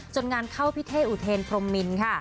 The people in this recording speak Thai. งานเข้าพี่เท่อุเทนพรมมินค่ะ